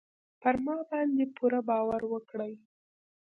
پر ما باندې پوره باور وکړئ.